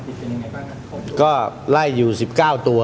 ตอนนี้ไล่ข้องต่างผิดเป็นยังไงบ้างครับ